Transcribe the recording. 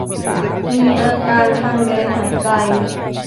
มีอาการทางเดินหายใจ